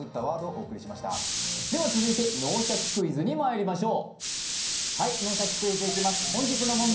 続いて「脳シャキ！クイズ」にまいりましょう。